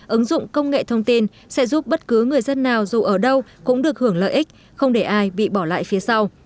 ứng dụng công nghệ thông tin sẽ giúp bất cứ người dân nào dù ở đâu cũng được hưởng lợi ích không để ai bị bỏ lại phía sau